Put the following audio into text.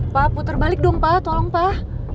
pak putar balik dong pak tolong pak